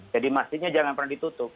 masjidnya jangan pernah ditutup